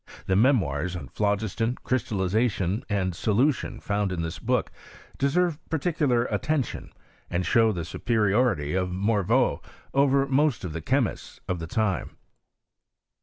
The memoirs on phlogiston, crystallization, and solution, found in this book deserve particular attention, and show the superiority of Morveau over most of the chemists of the time.